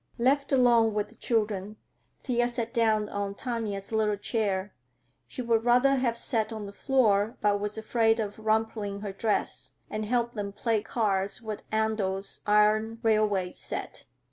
Left alone with the children, Thea sat down on Tanya's little chair—she would rather have sat on the floor, but was afraid of rumpling her dress—and helped them play "cars" with Andor's iron railway set.